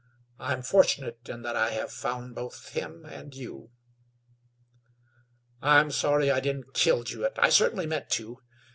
I'm fortunate in that I have found both him and you." "I'm sorry I didn't kill Jewett; I certainly meant to.